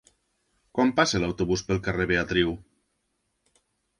Quan passa l'autobús pel carrer Beatriu?